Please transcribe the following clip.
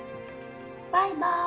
バイバーイ。